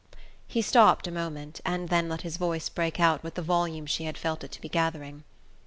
He stopped a moment, and then let his voice break out with the volume she had felt it to be gathering.